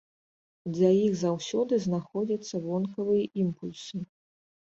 Для іх заўсёды знаходзяцца вонкавыя імпульсы.